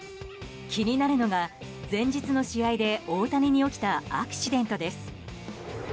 気になるのが前日の試合で大谷に起きたアクシデントです。